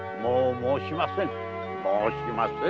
申しません。